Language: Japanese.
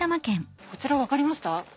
こちら分かりました？